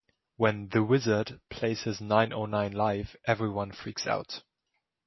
When "the wizard" plays his nine o nine live, everyone freaks out.